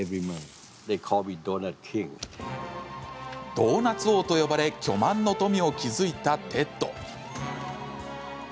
ドーナツ王と呼ばれ巨万の富を築いたテッド。